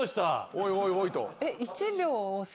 おいおいおいと。